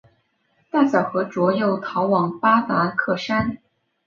大小和卓又逃往巴达克山。